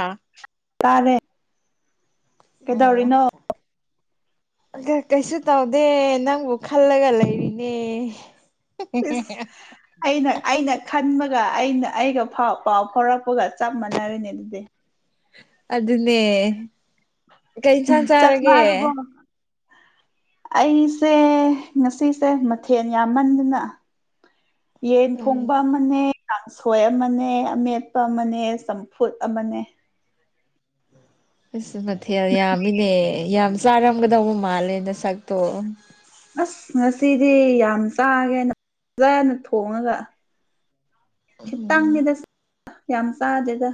ꯑꯥ ꯇꯔꯦ ꯑꯣ ꯀꯩꯗꯧꯔꯤꯅꯣ ꯀꯩꯁꯨ ꯇꯧꯗꯦ ꯅꯪꯕꯨ ꯈꯜꯂꯒ ꯂꯩꯔꯤꯅꯦ ꯄꯁ ꯑꯩꯅ ꯑꯩꯅ ꯈꯟꯕꯒ ꯑꯩꯅ ꯑꯩꯒꯥꯎ ꯄꯥꯎ ꯐꯥꯎꯔꯛꯄꯒ ꯆꯞ ꯃꯅꯔꯦꯅꯦ ꯑꯗꯨꯗꯤꯦ ꯑꯗꯨꯅꯦ ꯀꯩ ꯏꯟꯁꯥꯡ ꯆꯥꯛ ꯆꯥꯔꯒꯦ ꯆꯥꯔꯕꯣ [inaudible] ꯑꯩꯁꯦ ꯉꯁꯤꯁꯦ ꯃꯊꯦꯜ ꯌꯥꯝꯃꯟꯗꯅ ꯌꯦꯟ ꯎꯝ ꯊꯣꯡꯕ ꯑꯃꯅꯦ ꯀꯥꯡꯁꯣꯏ ꯑꯃꯅꯦ ꯑꯃꯦꯠꯄ ꯑꯃꯅꯦ ꯆꯝꯐꯨꯠ ꯑꯃꯅꯦ ꯑꯁ ꯃꯊꯦꯜ ꯌꯥꯝꯃꯤꯅꯦ ꯌꯥꯝ ꯆꯥꯔꯝꯒꯗꯧꯕ ꯃꯥꯜꯂꯦ ꯅ ꯁꯛꯇꯣ ꯑꯁ ꯉꯁꯤꯗꯤ ꯌꯥꯝ ꯆꯥꯒꯦꯅ ꯐꯖꯅ ꯊꯣꯡꯉꯒ ꯎꯝ ꯈꯤꯇꯪꯒꯤꯗ ꯌꯥꯝ ꯆꯥꯖꯒ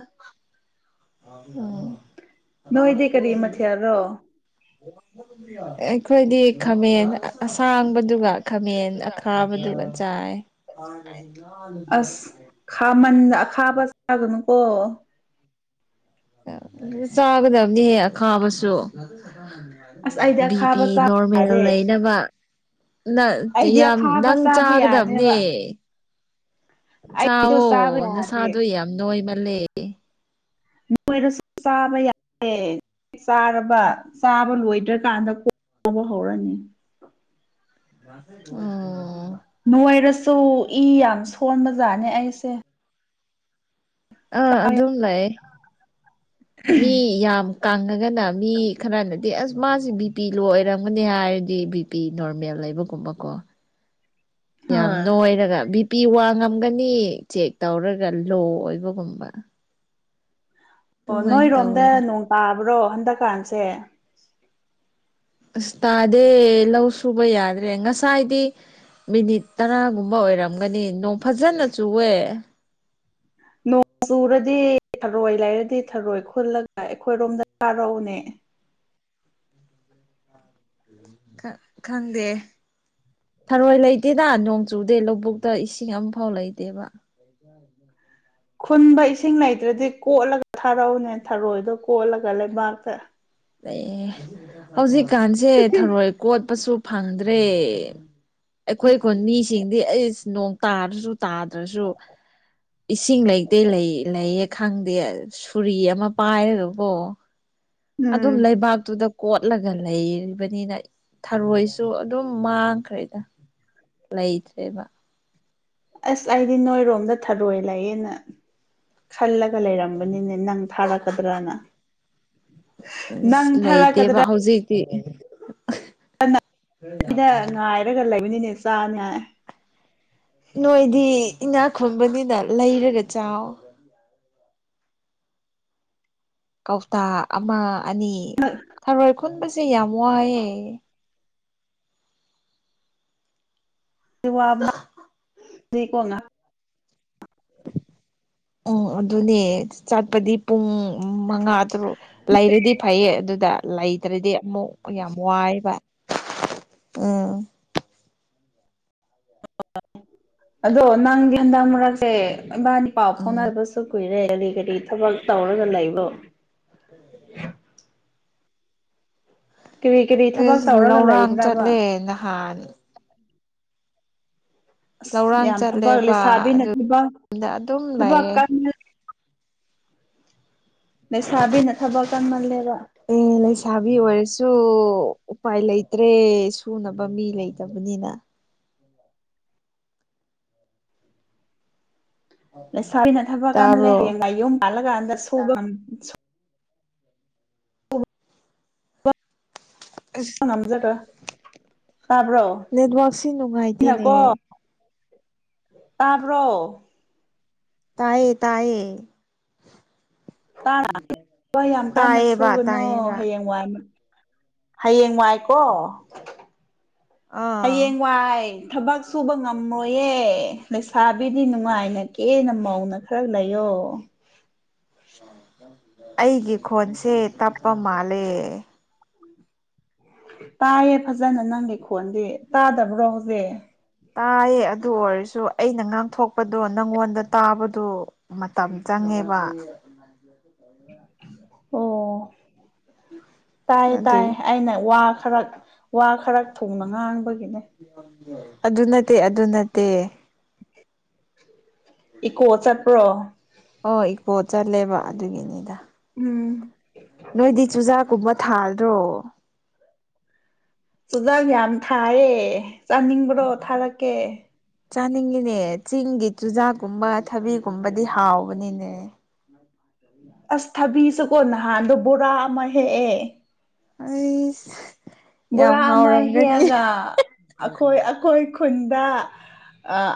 ꯎꯝ ꯅꯣꯏꯗꯤ ꯀꯔꯤ ꯃꯊꯌꯥꯔꯣ ꯑꯩꯈꯣꯏꯗꯤ ꯈꯝꯃꯦ ꯑꯁ ꯁꯥꯡꯕꯗꯨꯒ ꯈꯥꯃꯦꯟ ꯑꯈꯥꯕꯗꯨꯒ ꯆꯥꯏ ꯈꯥꯃꯟꯗ ꯑꯈꯥꯕ ꯆꯥꯒꯅꯨꯀꯣ ꯆꯥꯒꯗꯕꯅꯤ ꯍꯦꯛ ꯈꯥꯕꯁꯨ ꯑꯁ ꯑꯩꯗꯤ ꯕꯤ ꯑꯈꯥꯕ ꯄꯤ ꯆꯥꯕ ꯅꯣꯔꯃꯦꯜ ꯌꯥꯗꯦ ꯂꯩꯅꯕ ꯅ ꯑꯩꯗꯤ ꯌꯥꯝ ꯑꯈꯥꯕ ꯅꯪ ꯆꯥꯕ ꯌꯥꯗꯦꯕ ꯆꯥꯒꯗꯕꯅꯦ ꯑꯩꯗꯣ ꯆꯥꯋꯣ ꯆꯥꯕ ꯌꯥꯗꯦ ꯅꯁꯥꯗꯣ ꯌꯥꯝ ꯅꯣꯏ ꯃꯥꯜꯂꯦ ꯃ ꯑꯣꯏꯔꯁꯨ ꯆꯥꯕ ꯌꯥꯦ ꯆꯥꯔꯕ ꯆꯥꯕ ꯂꯣꯏꯗ꯭ꯔꯀꯥꯟꯗ ꯀꯣꯛꯧꯕ ꯍꯧꯔꯅꯤ ꯑꯣ ꯇꯨ ꯏ ꯌꯥꯝ ꯁꯣꯟꯕ ꯖꯥꯠꯅꯦ ꯑꯩꯁꯦ ꯑꯥ ꯍꯣꯏ ꯑꯗꯨꯝ ꯂꯩꯑꯦ ꯃꯤ ꯌꯥꯝ ꯀꯥꯡꯉꯒꯅ ꯃꯤ ꯈꯔꯅꯗꯤ ꯑꯁ ꯃꯥꯁꯤ ꯕꯤ ꯄꯤ ꯂꯣ ꯑꯣꯏꯔꯝꯒꯅꯤ ꯍꯥꯏꯔꯗꯤ ꯕꯤ ꯄꯤ ꯅꯣꯔꯃꯦꯜ ꯂꯩꯕꯒꯨꯝꯕ ꯀꯣ ꯌꯥꯝꯅ ꯑꯣ ꯅꯣꯏꯔꯒ ꯕꯤ ꯄꯤ ꯋꯥꯡ ꯉꯝꯒꯅꯤ ꯆꯦꯛ ꯇꯧꯔꯒ ꯂꯣ ꯑꯣꯏꯕꯒꯨꯝꯕ ꯑꯣ ꯑꯗꯨꯃꯥꯏꯅ ꯅꯣꯏꯔꯣꯝꯗ ꯇꯧꯋꯦꯗ ꯅꯣꯡ ꯇꯥꯕ꯭ꯔꯣ ꯍꯟꯗꯛꯀꯥꯟꯁꯦ ꯑꯁ ꯇꯥꯗꯦ ꯂꯧ ꯁꯨꯕ ꯌꯥꯗ꯭ꯔꯦ ꯉꯁꯥꯏꯗꯤ ꯃꯤꯅꯤꯠ ꯇꯔꯥꯒꯨꯝꯕ ꯑꯣꯏꯔꯝꯒꯅꯤ ꯅꯣꯡ ꯐꯖꯅ ꯆꯨꯋꯦ ꯅꯣꯡ ꯆꯨꯔꯗꯤ ꯊꯔꯣꯏ ꯂꯩꯔꯗꯤ ꯊꯔꯣꯏ ꯈꯨꯜꯂꯒ ꯑꯩꯈꯣꯏꯔꯣꯝꯗ ꯀꯥꯔꯎꯅꯦ ꯈ ꯈꯪꯗꯦ ꯊꯔꯣꯏ ꯂꯩꯇꯦꯗ ꯅꯣꯡ ꯆꯨꯗꯦ ꯂꯧꯕꯨꯛꯇ ꯏꯁꯤꯡ ꯑꯝꯐꯥꯎ ꯂꯩꯇꯦꯕ ꯈꯨꯟꯕ ꯏꯁꯤꯡ ꯂꯩꯇ꯭ꯔꯗꯤ ꯀꯣꯠꯂꯒ ꯊꯥꯔꯧꯅꯦ ꯊꯔꯣꯏꯗꯣ ꯀꯣꯠꯂꯒ ꯂꯩꯕꯥꯛꯇ ꯑꯦ ꯍꯧꯖꯤꯛꯀꯥꯟꯁꯦ ꯊꯔꯣꯏ ꯀꯣꯠꯄꯁꯨ ꯐꯪꯗ꯭ꯔꯦ ꯑꯩꯈꯣꯏꯈꯨꯟ ꯃꯤꯁꯤꯡꯗꯤ ꯑꯩꯁ ꯅꯣꯡ ꯇꯥꯔꯁꯨ ꯇꯥꯗ꯭ꯔꯁꯨ ꯏꯁꯤꯡ ꯂꯩꯇꯦ ꯂꯩ ꯂꯩꯌꯦꯛ ꯈꯪꯗꯦ ꯁꯨꯔꯤ ꯑꯃ ꯄꯥꯏꯔꯒꯕꯣ ꯑꯗꯨꯝ ꯎꯝ ꯂꯩꯕꯥꯛꯇꯨꯗ ꯀꯣꯠꯂꯒ ꯂꯩꯔꯤꯕꯅꯤꯅ ꯊꯔꯣꯏꯁꯨ ꯑꯗꯨꯝ ꯃꯥꯡꯈ꯭ꯔꯦꯗ ꯂꯩꯇꯔꯦꯕ ꯑꯁ ꯑꯩꯗꯤ ꯅꯣꯏꯔꯣꯝꯗ ꯊꯔꯣꯏ ꯂꯩꯌꯦꯅ ꯈꯜꯂ ꯂꯩꯔꯝꯕꯅꯤꯅꯦ ꯅꯪ ꯊꯥꯔꯛꯀꯗ꯭ꯔꯅ ꯑꯁ ꯅꯪ ꯂꯩꯇꯦꯕ ꯊꯥꯔꯛꯀꯗ꯭ꯔꯥ ꯍꯧꯖꯤꯛꯇꯤ ꯑꯩꯅ ꯉꯥꯏꯔꯒ ꯂꯩꯕꯅꯤꯅꯦ ꯆꯥꯅ ꯅꯣꯏꯗꯤ ꯏꯅꯥꯛꯈꯨꯟꯕꯅꯤꯅ ꯂꯩꯔꯒ ꯆꯥꯎ ꯀꯧꯇꯥ ꯑꯃ ꯑꯅꯤ ꯊꯔꯣꯏ ꯈꯨꯟꯕꯁꯤ ꯏ ꯌꯥꯝ ꯋꯥꯌꯦ ꯕꯨꯅꯀꯣ [unintelligible] ꯎꯝ ꯑꯗꯨꯅꯦ ꯆꯠꯄꯗꯤ ꯄꯨꯡ ꯎꯝ ꯃꯉꯥ ꯇꯔꯨꯛ ꯂꯩꯔꯗꯤ ꯐꯩꯌꯦ ꯑꯗꯨꯗ ꯂꯩꯇ꯭ꯔꯗꯤ ꯑꯃꯨꯛ ꯌꯥꯝ ꯋꯥꯏꯕ ꯎꯝ ꯑꯗꯣ ꯅꯪꯗꯤ ꯍꯟꯗꯛ ꯃꯔꯛꯁꯦ ꯏꯕꯥꯅꯤ ꯄꯥꯎ ꯎꯝ ꯐꯥꯎꯅꯕꯁꯨ ꯀꯨꯏꯔꯦ ꯀꯔꯤ ꯀꯔꯤ ꯊꯕꯛ ꯇꯧꯔꯒ ꯂꯩꯕꯣ ꯀꯔꯤ ꯀꯔꯤ ꯑꯦ ꯊꯕꯛ ꯇꯧꯔꯒ ꯂꯧꯔꯥꯡ ꯂꯩꯕ꯭ꯔꯕ ꯆꯠꯂꯦ ꯅꯍꯥꯟ ꯑꯁ ꯂꯧꯔꯥꯡ ꯌꯥꯝ ꯊꯕꯛ ꯆꯠꯂꯦꯕ ꯂꯩꯁꯥꯕꯤꯅ ꯑꯗꯨꯗ ꯊꯕꯛ ꯑꯗꯨꯝ ꯊꯕꯛ ꯂꯩꯌꯦ ꯀꯟꯅ ꯂꯩꯁꯥꯕꯤꯅ ꯊꯕꯛ ꯀꯥꯟꯃꯜꯂꯦꯔ ꯁꯨ ꯎꯄꯥꯏ ꯂꯩꯇ꯭ꯔꯦ ꯁꯨꯅꯕ ꯃꯤ ꯂꯩꯇꯕꯅꯤꯅ ꯂꯩꯁꯥꯏꯅ ꯊꯕꯛ ꯀꯟꯃꯜꯂꯦ ꯇꯥꯕ꯭ꯔꯣ ꯍꯌꯦꯡꯋꯥꯏ ꯌꯨꯝ ꯄꯜꯂꯀꯥꯟꯗ ꯁꯨꯕ ꯑꯝ ꯑꯁ ꯅꯝꯖꯔꯣꯏ ꯅꯦꯠꯋꯥꯛꯁꯤ ꯅꯨꯡꯉꯥꯏꯇꯦꯅꯦ ꯅꯀꯣ ꯇꯥꯕ꯭ꯔꯣ ꯇꯥꯌꯦ ꯇꯥꯌꯦ ꯇ ꯍꯣꯏ ꯌꯥꯝ ꯀꯥꯟꯟꯅ ꯇꯥꯏꯌꯦꯕ ꯁꯨꯒꯅꯨ ꯇꯥꯏꯌꯦꯕ ꯍꯌꯦꯡ ꯋꯥꯏꯅ ꯍꯌꯦꯡ ꯋꯥꯏꯀꯣ ꯑꯥ ꯍꯌꯦꯡ ꯋꯥꯏ ꯊꯕꯛ ꯁꯨꯕ ꯉꯝꯃꯣꯏꯌꯦ ꯂꯩꯁꯥꯕꯤꯗꯤ ꯅꯨꯡꯉꯥꯏꯅ ꯀꯦꯅ ꯃꯧꯅ ꯈꯔ ꯂꯩꯌꯣ ꯑꯩꯒꯤ ꯈꯣꯟꯁꯦ ꯇꯞꯄ ꯃꯥꯜꯂꯦ ꯇꯥꯏꯌꯦ ꯐꯖꯅ ꯅꯪꯒꯤ ꯈꯣꯟꯗꯤ ꯇꯥꯗꯕ꯭ꯔꯣ ꯍꯧꯖꯤꯛ ꯇꯥꯏꯌꯦ ꯑꯗꯨ ꯑꯣꯏꯔꯁꯨ ꯑꯩꯅ ꯉꯥꯡꯊꯣꯛꯄꯗꯣ ꯅꯪꯉꯣꯟꯗ ꯇꯥꯕꯗꯤ ꯃꯇꯝ ꯆꯪꯉꯦ ꯉꯦꯕ ꯑꯣ ꯇꯥꯏꯌꯦ ꯑꯗꯨꯏ ꯇꯥꯏꯌꯦ ꯑꯩꯅ ꯋꯥ ꯈꯔꯛ ꯋꯥ ꯈꯔ ꯊꯣꯡꯅ ꯉꯥꯡꯕ ꯑꯗꯨ ꯅꯠꯇꯦ ꯑꯗꯨ ꯅꯠꯇꯦ ꯏꯀꯣ ꯆꯄ꯭ꯔꯣ ꯑꯣ ꯏꯀꯣ ꯆꯠꯂꯦꯕ ꯑꯗꯨꯒꯤꯅꯤꯗ ꯎꯝ ꯊꯥꯔꯣ ꯆꯨꯖꯥꯛ ꯌꯥꯝ ꯊꯥꯏꯌꯦ ꯆꯥꯅꯤꯡꯕ꯭ꯔꯣ ꯊꯥꯔꯛꯀꯦ ꯆꯥꯅꯤꯡꯉꯤꯅꯦ ꯆꯤꯡꯒꯤ ꯆꯨꯖꯥꯛꯀꯨꯝꯕ ꯊꯕꯤꯒꯨꯝꯕꯗꯤ ꯍꯥꯎꯕꯅꯤꯅꯦ ꯑꯁ ꯊꯕꯤꯁꯨꯀꯣ ꯅꯍꯥꯟꯗꯣ ꯕꯣꯔꯥ ꯑꯃ ꯍꯦꯛꯑꯦ ꯑ ꯕꯣꯔꯥ ꯑꯃ ꯍꯦꯛꯑꯒ ꯑꯩꯈꯣꯏ ꯑꯩꯈꯣꯏ ꯈꯨꯟꯗ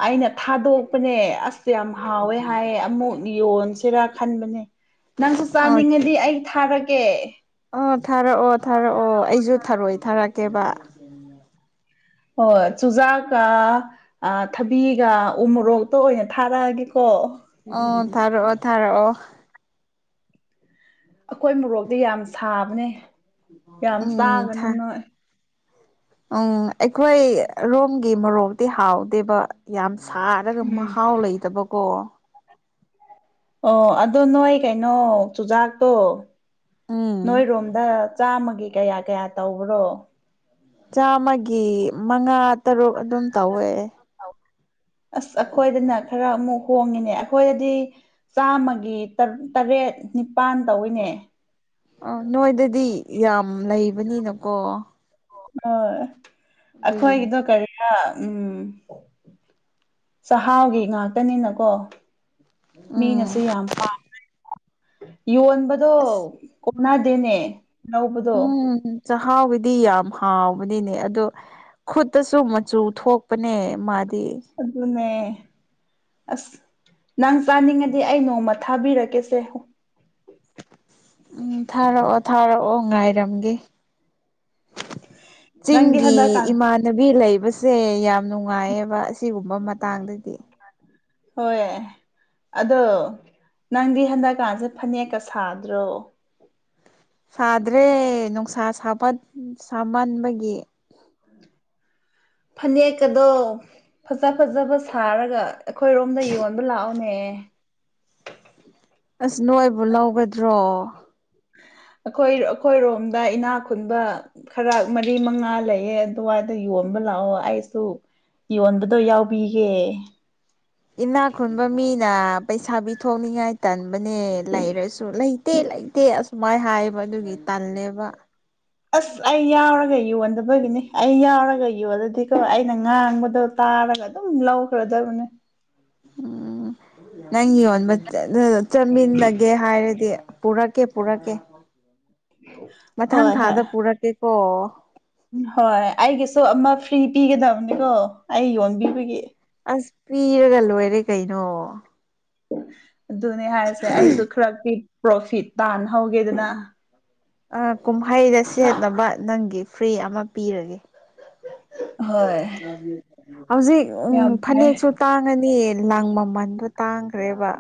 ꯑꯩꯅ ꯊꯥꯗꯣꯛꯄꯅꯦ ꯑꯁꯁꯨ ꯌꯥꯝ ꯍꯥꯎꯋꯦ ꯍꯥꯏꯌꯦ ꯑꯃꯨꯛ ꯌꯣꯟꯁꯤꯔꯥ ꯈꯟꯕꯅꯦ ꯅꯪꯁꯨ ꯑꯣ ꯆꯥꯅꯤꯡꯉꯗꯤ ꯑꯩ ꯊꯥꯔꯒꯦ ꯑꯣ ꯊꯥꯔꯛꯑꯣ ꯊꯥꯔꯛꯑꯣ ꯑꯩꯁꯨ ꯊꯥꯔꯣꯏꯏ ꯊꯥꯔꯛꯀꯦꯕ ꯍꯣꯏ ꯆꯨꯖꯥꯛꯀ ꯊꯕꯤꯒ ꯎ ꯃꯣꯔꯣꯛꯇ ꯑꯣꯏꯅ ꯊꯥꯔꯛꯑꯒꯦꯀꯣ ꯑꯣ ꯊꯥꯔꯛꯑꯣ ꯊꯥꯔꯛꯑꯣ ꯑꯩꯈꯣꯏ ꯃꯣꯔꯣꯛꯇꯤ ꯌꯥꯝ ꯁꯥꯕꯅꯦ ꯌꯥꯝ ꯎꯝ ꯆꯥꯒꯅ ꯊꯥ ꯅꯣꯏ ꯎꯝ ꯑꯩꯈꯣꯏ ꯔꯣꯝꯒꯤ ꯃꯣꯔꯣꯛꯇꯤ ꯍꯥꯎꯗꯦꯕ ꯌꯥꯝ ꯁꯥꯔꯒ ꯎꯝ ꯃꯍꯥꯎ ꯂꯩꯇꯕꯀꯣ ꯑꯣ ꯑꯗꯨꯣ ꯅꯣꯏ ꯀꯩꯅꯣ ꯆꯨꯖꯥꯛꯇꯣ ꯎꯝ ꯅꯣꯏꯔꯣꯝꯗ ꯆꯥꯃꯒꯤ ꯀꯌꯥ ꯀꯌꯥ ꯇꯧꯕ꯭ꯔꯣ ꯆꯥꯝꯃꯒꯤ ꯃꯉꯥ ꯇꯔꯨꯛ ꯑꯗꯨꯝ ꯇꯧꯋꯦ ꯑꯁ ꯑꯩꯈꯣꯏꯗꯅ ꯈꯔ ꯑꯃꯨꯛ ꯍꯣꯡꯉꯤꯅꯦ ꯑꯩꯈꯣꯏꯗꯗꯤ ꯆꯥꯝꯃꯒꯤ ꯇꯔꯦꯠ ꯅꯤꯄꯥꯜ ꯇꯧꯋꯤꯅꯦ ꯑ ꯅꯣꯏꯗꯗꯤ ꯌꯥꯝ ꯂꯩꯕꯅꯤꯅꯀꯣ ꯍꯣꯏ ꯑꯗꯨꯒꯤꯅꯤ ꯑꯩꯈꯣꯏꯒꯤꯗꯣ ꯀꯔꯤꯅ ꯎꯝ ꯆꯍꯥꯎꯒꯤ ꯉꯥꯛꯇꯅꯤꯅꯀꯣ ꯎꯝ ꯃꯤꯅꯁꯨ ꯌꯥꯝ ꯄꯥꯝꯃꯦ ꯌꯣꯟꯕꯗꯣ ꯑꯁ ꯀꯣꯛꯅꯗꯦꯅꯦ ꯂꯧꯕꯗꯣ ꯍꯥꯎꯕꯗꯤ ꯌꯥꯝ ꯍꯥꯎꯕꯗꯤꯅꯦ ꯑꯗꯣ ꯈꯨꯠꯇꯁꯨ ꯃꯆꯨ ꯊꯣꯛꯄꯅꯦ ꯃꯥꯗꯤ ꯑꯗꯨꯅꯦꯃꯦ ꯑꯁ ꯅꯪ ꯆꯥꯅꯤꯡꯉꯗꯤ ꯑꯩ ꯅꯣꯡꯃ ꯊꯥꯕꯤꯔꯛꯀꯦꯁꯦ ꯎꯝ ꯊꯥꯔꯛꯑꯣ ꯊꯥꯔꯛꯑꯣ ꯉꯥꯏꯔꯝꯒꯦ ꯅꯪꯗꯤ ꯆꯤꯡꯒꯤ ꯍꯟꯗꯛꯀꯥꯟ ꯏꯃꯥꯟꯅꯕꯤ ꯂꯩꯕ ꯁꯦ ꯌꯥꯝ ꯅꯨꯡꯉꯥꯏꯌꯦꯕ ꯑꯁꯤꯒꯨꯝꯕ ꯃꯇꯥꯡꯗꯗꯤ ꯍꯣꯏ ꯑꯗꯣ ꯅꯪꯗꯤ ꯍꯟꯗꯛꯀꯥꯟꯁꯦ ꯐꯅꯦꯛꯀ ꯁꯥꯗ꯭ꯔꯣ ꯁꯥꯗ꯭ꯔꯦ ꯅꯨꯡꯁꯥ ꯁꯥꯃꯟꯕꯒꯤ ꯐꯅꯦꯛꯀꯗ ꯐꯖ ꯐꯖꯕ ꯁꯥꯔꯒ ꯑꯩꯈꯣꯏꯔꯣꯝꯗ ꯌꯣꯟꯕ ꯂꯥꯛꯑꯣꯅꯦ ꯑꯁ ꯅꯣꯏꯕꯨ ꯂꯧꯒꯗ꯭ꯔꯣ ꯑꯩꯈꯣꯏ ꯑꯩꯈꯣꯏꯔꯣꯝꯗ ꯏꯅꯥꯛ ꯈꯨꯟꯕ ꯈꯔ ꯃꯔꯤ ꯃꯉꯥ ꯂꯩꯌꯦ ꯑꯗꯨꯋꯥꯏꯗ ꯌꯣꯟꯕ ꯂꯥꯛꯑꯣ ꯑꯩꯁꯨ ꯌꯣꯟꯕꯗꯣ ꯌꯥꯎꯕꯤꯒꯦ ꯏꯅꯥ ꯈꯨꯟꯕ ꯃꯤꯅ ꯄꯩꯁꯥꯕꯤ ꯊꯣꯛꯅꯤꯡꯉꯥꯏꯇꯟ ꯝꯕꯅꯦ ꯂꯩꯔꯁꯨ ꯂꯩꯇꯦ ꯂꯩꯇꯦ ꯑꯁꯨꯃꯥꯏ ꯍꯥꯏꯌꯦꯕ ꯑꯗꯨꯒꯤ ꯇꯜꯂꯦꯕ ꯑꯁ ꯑꯩ ꯌꯥꯎꯔꯒ ꯌꯣꯟꯗꯕꯒꯤꯅꯤ ꯑꯩ ꯌꯥꯎꯔꯒ ꯌꯣꯜꯂꯗꯤꯀꯣ ꯑꯩꯅ ꯉꯥꯡꯕꯗꯣ ꯇꯥ ꯇꯥꯔꯒ ꯑꯗꯨꯝ ꯂꯧꯈ꯭ꯔꯗꯕꯅꯦ ꯎꯝ ꯅꯪ ꯌꯣꯟꯕ ꯆꯠꯃꯤꯟꯅꯒꯦ ꯍꯥꯏꯔꯗꯤ ꯄꯨꯔꯥ ꯀꯦ ꯄꯨꯔꯥ ꯀꯦ ꯃꯊꯪ ꯊꯥꯗ ꯄꯨꯔꯛꯀꯦꯀꯣ ꯎ ꯍꯣꯏ ꯑꯩꯒꯤꯁꯨ ꯑꯃ ꯐ꯭ꯔꯤ ꯄꯤꯒꯗꯕꯅꯤꯀꯣ ꯑꯩ ꯌꯣꯟꯕꯤꯕꯒꯤ ꯑꯁ ꯄꯤꯔꯒ ꯂꯣꯏꯔꯦ ꯀꯩꯅꯣ ꯑꯗꯨꯅꯦ ꯍꯥꯏꯁꯦ ꯑꯩꯁꯨ ꯈꯔꯤ ꯄ꯭ꯔꯣꯐꯤꯠ ꯇꯥꯟꯅꯍꯧꯒꯦꯗꯅ ꯑ ꯀꯨꯝꯍꯩꯗ ꯁꯦꯠꯅꯕ ꯅꯪꯒꯤ ꯐ꯭ꯔꯤ ꯑꯃ ꯄꯤꯔꯒꯦ ꯍꯣꯏ ꯍꯧꯖꯤꯛ ꯎꯝ ꯌꯥꯝ ꯐꯩ ꯐꯅꯦꯛꯁꯨ ꯇꯥꯡꯉvvvvꯅꯤ ꯂꯪ ꯃꯃꯟꯗꯣ ꯇꯥꯡꯈ꯭ꯔꯦꯕ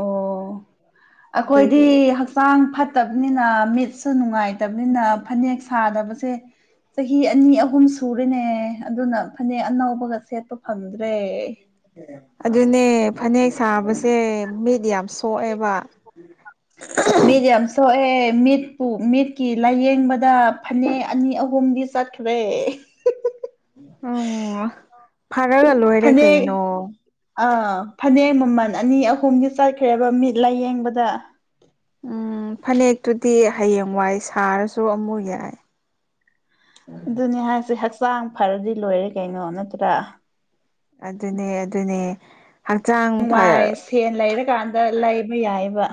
ꯑꯣ ꯑꯩꯈꯣꯏꯗꯤ ꯑꯗꯨꯒꯤ ꯍꯛꯆꯥꯡ ꯐꯠꯇꯕꯅꯤꯅ ꯃꯤꯠ ꯁ ꯅꯨꯡꯉꯥꯏꯇꯕꯅꯤꯅ ꯐꯅꯦꯛ ꯁꯥꯗꯕꯁꯦ ꯆꯍꯤ ꯑꯅꯤ ꯑꯍꯨꯝ ꯁꯨꯔꯤꯅꯦ ꯑꯗꯨꯅ ꯐꯅꯦꯛ ꯑꯅꯕꯒ ꯁꯦꯠꯄ ꯐꯪꯗ꯭ꯔꯦ ꯑꯗꯨꯗꯅꯦ ꯐꯅꯦꯛ ꯁꯥꯕꯁꯦ ꯃꯤꯠ ꯌꯥꯝ ꯁꯣꯛꯑꯦꯕ ꯃꯤꯠ ꯌꯥꯝ ꯁꯣꯛꯑꯦ ꯃꯤꯠꯄꯨ ꯃꯤꯠꯀꯤ ꯂꯥꯏꯌꯦꯡꯕꯗ ꯐꯅꯦꯛ ꯑꯅꯤ ꯑꯍꯨꯝꯗꯤ ꯆꯠꯈ꯭ꯔꯦ ꯑꯣ ꯐꯔꯒ ꯂꯣꯏꯔꯦ ꯐꯅꯦꯛ ꯀꯩꯅꯣ ꯑꯥ ꯐꯅꯦꯛ ꯃꯃꯜ ꯑꯅꯤ ꯑꯍꯨꯝꯗꯤ ꯆꯠꯈ꯭ꯔꯦꯕ ꯃꯤꯠ ꯂꯥꯏꯌꯦꯡꯕꯗ ꯎꯝ ꯐꯅꯦꯛꯇꯨꯗꯤ ꯍꯌꯦꯡ ꯋꯥꯏ ꯁꯥꯔꯁꯨ ꯑꯃꯨꯛ ꯌꯥꯏ ꯑꯗꯨꯅꯤ ꯍꯥꯏꯁꯦ ꯍꯛꯆꯥꯡ ꯐꯔꯗꯤ ꯂꯣꯏꯔꯦ ꯀꯩꯅꯣ ꯅꯠꯇ꯭ꯔꯥ ꯑꯗꯨꯅꯦ ꯑꯗꯨꯅꯦ ꯍꯛꯆꯥꯡ ꯐ ꯀꯥꯟꯗ ꯂꯩꯕ ꯌꯥꯏꯑꯕ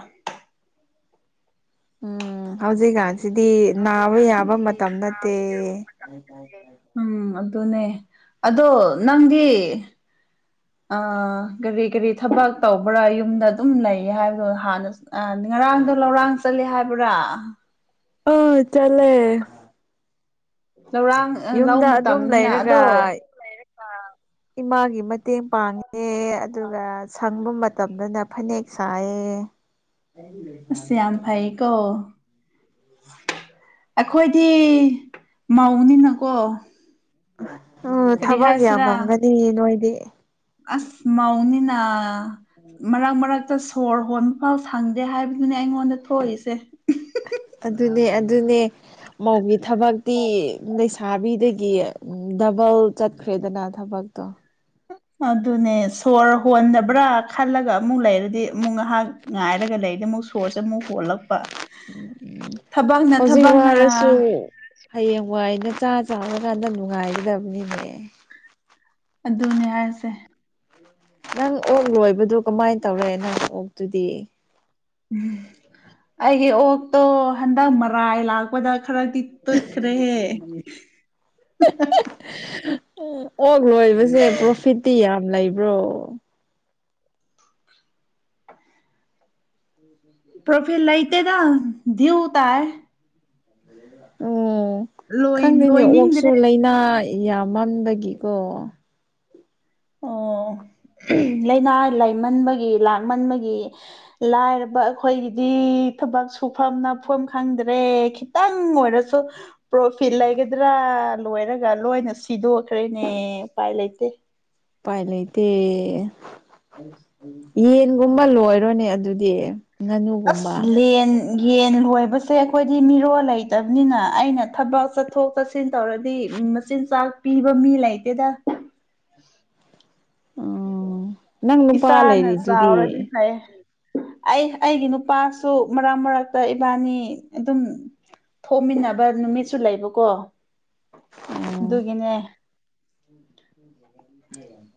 ꯎꯝ ꯍꯧꯖꯦꯒ ꯁꯤꯗꯤ ꯅꯥꯕ ꯌꯥꯕ ꯃꯇꯝ ꯅꯠꯇꯦ ꯎꯝ ꯑꯗꯨꯅꯦ ꯑꯗꯣ ꯅꯪꯒꯤ ꯀꯒꯥꯔꯤ ꯀꯔꯤ ꯊꯕꯛ ꯇꯧꯕ꯭ꯔꯥ ꯌꯨꯝꯗ ꯑꯗꯨꯝ ꯂꯩ ꯍꯥꯏꯕꯗꯣ ꯍꯥꯟꯅ ꯉꯔꯥꯡꯗꯣ ꯂꯧꯔꯥꯡ ꯆꯠꯂꯦ ꯍꯥꯏꯕ ꯕ꯭ꯔꯥ ꯑ ꯆꯂꯦ ꯂꯧꯔꯥꯡ ꯂꯧ ꯌꯨꯝꯗ ꯑꯗꯨꯝ ꯃꯇꯝꯅꯤꯅ ꯂꯩꯔꯒ ꯑꯗꯣ ꯏꯃꯥꯒꯤ ꯃꯇꯦꯡ ꯄꯥꯡꯉꯦ ꯑꯗꯨꯒ ꯁꯪꯕ ꯃꯇꯝꯗꯅ ꯐꯅꯦꯛ ꯁꯥꯏꯌꯦ ꯑꯩ ꯂꯩ ꯐ ꯑꯁ ꯌꯥꯝ ꯆ ꯐꯩꯀꯣ ꯑꯩꯈꯣꯏꯗꯤ ꯃꯧꯅꯤꯅꯀꯣ ꯎꯝ ꯀꯔꯤ ꯊꯕꯛ ꯍꯥꯏꯁꯤꯔꯥ ꯌꯥꯝꯃꯝꯒꯅꯤ ꯅꯣꯏꯗꯤ ꯑꯁ ꯃꯧꯅꯤꯅ ꯃꯔꯛ ꯃꯔꯛ ꯑꯇ ꯁꯣꯔ ꯍꯣꯟꯕ ꯐꯥꯎ ꯁꯪꯗꯦ ꯍꯥꯏꯕꯗꯨꯅꯦ ꯑꯩꯉꯣꯟꯗ ꯊꯣꯛꯏꯁꯦ ꯑꯗꯨꯅꯦ ꯑꯗꯨꯅꯦ ꯃꯧꯒꯤ ꯊꯕꯛꯇꯤ ꯂꯩ ꯁꯥꯥꯕꯤꯗꯒꯤ ꯗꯕꯜ ꯆꯠꯈ꯭ꯔꯦꯗꯅ ꯊꯕꯛꯇꯣ ꯑꯗꯨꯅꯦ ꯁꯣꯔ ꯍꯣꯟꯗꯕ꯭ꯔꯥ ꯈꯜꯂꯒ ꯑꯃꯨꯛ ꯂꯩꯔꯗꯤ ꯑꯃꯨꯛ ꯉꯍꯥꯛ ꯉꯥꯏꯔꯒ ꯂꯩꯗ ꯑꯃꯨꯛ ꯁꯣꯔꯁꯦ ꯑꯃꯨꯛ ꯍꯣꯜꯂꯛꯄ ꯊꯕꯛꯅ ꯍꯧꯖꯤꯛ ꯊꯕꯛꯅ ꯋꯥꯔꯁꯨ ꯍꯌꯦꯡ ꯋꯥꯏꯗ ꯆꯥ ꯆꯥꯔꯀꯥꯟꯗ ꯅꯨꯡꯉꯥꯏꯒꯗꯕꯅꯤꯅꯦ ꯑꯗꯨꯅꯦ ꯍꯥꯏꯁꯦ ꯅꯪ ꯑꯣꯛ ꯂꯣꯏꯕꯗꯨ ꯀꯃꯥꯏꯅ ꯇꯧꯔꯦ ꯅꯪ ꯑꯣꯛꯇꯨꯗꯤ ꯎꯝ ꯑꯩꯒꯤ ꯑꯣꯛꯇꯣ ꯍꯟꯗꯛ ꯃꯔꯥꯏ ꯂꯥꯛꯄꯗ ꯈꯔꯗꯤ ꯇꯨꯠꯈ꯭ꯔꯦꯍꯦ [unintelligible] ꯎꯝ ꯑꯣꯛ ꯂꯣꯏꯕꯁꯦ ꯄ꯭ꯔꯣꯐꯤꯠꯇꯤ ꯌꯥꯝ ꯂꯩꯕ꯭ꯔꯣ ꯄ꯭ꯔꯣꯐꯤꯠ ꯂꯥꯏꯇꯦ ꯗꯤꯎ ꯇꯥꯏ ꯑꯣ ꯂꯣꯏ ꯈꯪꯗꯦꯅꯦ ꯂꯣꯏꯅꯤꯡꯗ꯭ꯔꯦ ꯑꯣꯛꯁꯨ ꯂꯩꯥꯅꯥ ꯌꯥꯝꯃꯟꯕꯒꯤꯀꯣ [unintelligible] ꯂꯩꯅꯥ ꯂꯩꯥꯏꯃꯟꯕꯒꯤ ꯂꯥꯛꯃꯟꯕꯒꯤ ꯂꯥꯏꯔꯕ ꯑꯈꯣꯏꯒꯤꯗꯤ ꯊꯕꯛ ꯁꯨꯐꯝ ꯅꯣꯝꯐꯝ ꯈꯪꯗ꯭ꯔꯦ ꯈꯤꯇꯪ ꯑꯣꯏꯔꯁꯨ ꯄ꯭ꯔꯣꯐꯤꯠ ꯂꯩꯒꯗ꯭ꯔꯥ ꯂꯣꯏꯔꯒ ꯂꯣꯏꯅ ꯁꯤꯗꯣꯛꯈ꯭ꯔꯦꯅꯦ ꯎꯄꯥꯏ ꯂꯩꯇꯦ ꯄꯥꯏ ꯂꯩꯇꯦ ꯌꯦꯟꯒꯨꯝꯕ ꯂꯣꯏꯔꯣꯅꯦ ꯑꯗꯨꯗꯤ ꯑꯁ ꯉꯥꯅꯨꯒꯨꯝꯕ ꯂꯦꯟ ꯌꯦꯟ ꯂꯣꯏꯕꯁꯦ ꯑꯈꯣꯏꯗꯤ ꯃꯤꯔꯣꯜ ꯂꯩꯇꯕꯅꯤꯅ ꯑꯩꯅ ꯊꯕꯛ ꯆꯠꯊꯣꯛ ꯆꯠꯁꯤꯟ ꯇꯧꯔꯗꯤ ꯃꯆꯤꯟꯖꯥꯛ ꯄꯤꯕ ꯃꯤ ꯂꯩꯇꯦꯗ [unintelligible] ꯑꯣ ꯅꯪ ꯅꯨꯄꯥ ꯏꯆꯥꯅ ꯂꯩꯔꯤꯗꯨꯗꯤ ꯆꯥꯎꯔꯗꯤ ꯐꯩ ꯑꯩ ꯑꯩꯒꯤ ꯅꯨꯄꯥ ꯁꯨ ꯃꯔꯛ ꯃꯔꯛꯇ ꯏꯕꯥꯅꯤ ꯑꯗꯨꯝ ꯊꯣꯛꯃꯤꯟꯅꯕ ꯅꯨꯃꯤꯠꯁꯨ ꯂꯩꯕꯀꯣ ꯑꯣ ꯑꯗꯨꯒꯤꯅꯦ ꯎꯝ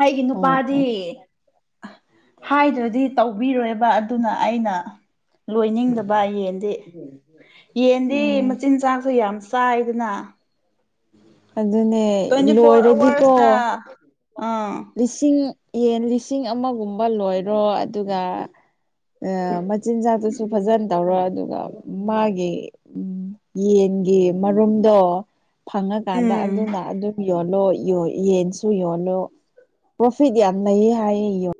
ꯑꯩꯒꯤ ꯅꯨꯄꯥꯗꯤ ꯍꯥꯏꯗ꯭ꯔꯗꯤ ꯇꯧꯕꯤꯔꯣꯏꯕ ꯑꯗꯨꯅ ꯑꯩꯅ ꯂꯣꯏꯅꯤꯡꯗꯕ ꯌꯦꯟꯗꯤ ꯌꯦꯟꯗꯤ ꯎꯝ ꯃꯆꯤꯟꯖꯥꯛꯁꯨ ꯌꯥꯝ ꯆꯥꯏꯗꯅ ꯑꯗꯨꯅꯦ ꯇ꯭ꯋꯦꯟꯇꯤ ꯐꯣꯔ ꯂꯣꯏꯔꯗꯤꯀꯣ ꯑꯋꯥꯔꯁꯇ ꯑꯥ ꯂꯤꯁꯤꯡ ꯌꯦꯟ ꯂꯤꯁꯤꯡ ꯑꯃꯒꯨꯝꯕ ꯂꯣꯏꯔꯣ ꯑꯗꯨꯒ ꯑ ꯃꯆꯤꯟꯖꯥꯛꯇꯨꯁꯨ ꯐꯖꯟ ꯇꯧꯔꯣ ꯑꯗꯨꯒ ꯃꯥꯒꯤ ꯎꯝ ꯌꯦꯟꯒꯤ ꯃꯔꯨꯝꯗꯣ ꯐꯪꯉꯀꯥꯟꯗ ꯎꯝ ꯑꯗꯨꯅ ꯑꯗꯨꯝ ꯌꯣꯜꯂꯣ ꯌꯦꯟꯁꯨ ꯌꯣꯜꯂꯣ ꯄ꯭ꯔꯣꯐꯤꯠ ꯌꯥꯝ ꯂꯩꯌꯦ ꯍꯥꯏꯌꯦ ꯌꯣꯟ